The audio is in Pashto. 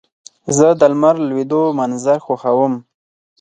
زه د لمر لوېدو منظر خوښوم.